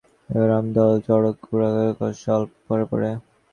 এবার রামনবমীর দোল, চড়কপূজা ও গোষ্ঠবিহার অল্পদিন পরে পরে পড়িল।